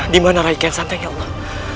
di mana raiken santai ya allah